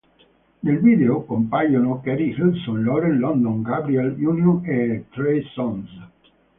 Nel video compaiono Keri Hilson, Lauren London, Gabrielle Union e Trey Songz.